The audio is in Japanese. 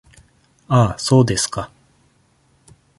ああ、そうですか…。